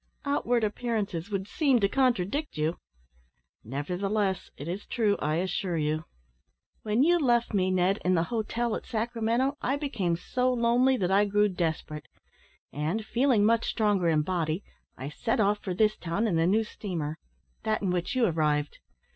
"Outward appearances would seem to contradict you." "Nevertheless, it is true, I assure you. When you left me, Ned, in the hotel at Sacramento, I became so lonely that I grew desperate; and, feeling much stronger in body, I set off for this town in the new steamer that in which you arrived.